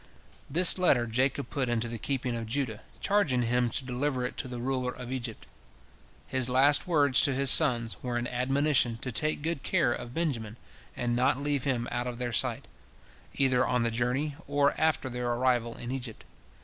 This letter Jacob put into the keeping of Judah, charging him to deliver it to the ruler of Egypt. His last words to his sons were an admonition to take good care of Benjamin and not leave him out of their sight, either on the journey or after their arrival in Egypt.